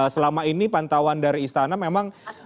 selama ini pantauan dari istana memang